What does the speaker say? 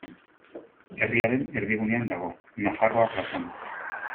Herriaren erdigunean dago, Nafarroa plazan.